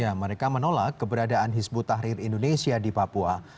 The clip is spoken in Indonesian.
ya mereka menolak keberadaan hizbut tahrir indonesia di papua